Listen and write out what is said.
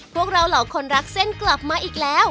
พวกเราเหล่าคนรักเส้นกลับมาอีกแล้ว